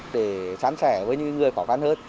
để sáng sẻ với những người khó khăn hơn